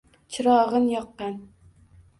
Chirog’in yoqqan.